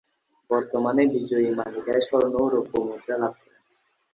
বর্তমানে বিজয়ী মালিকরা স্বর্ণ ও রৌপ্য মুদ্রা লাভ করেন।